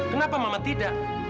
kenapa mama tidak